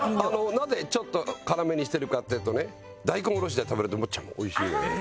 なぜちょっと辛めにしてるかっていうとね大根下ろしで食べるとめっちゃ美味しいのよ。